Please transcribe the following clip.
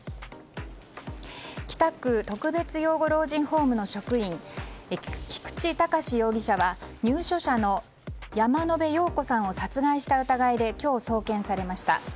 北区特別養護老人ホームの職員菊池隆容疑者は入所者の山野辺陽子さんを殺害した疑いで今日、送検されました。